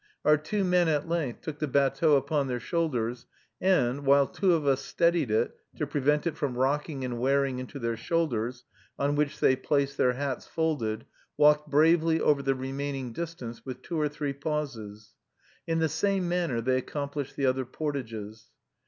Our two men at length took the batteau upon their shoulders, and, while two of us steadied it, to prevent it from rocking and wearing into their shoulders, on which they placed their hats folded, walked bravely over the remaining distance, with two or three pauses. In the same manner they accomplished the other portages.